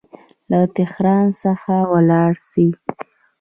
له تهران څخه ولاړ سي.